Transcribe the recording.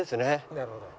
なるほど。